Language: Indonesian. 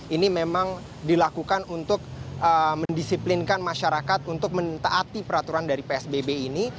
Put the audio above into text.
ini memang dilakukan untuk mendisiplinkan masyarakat untuk mentaati peraturan dari psbb ini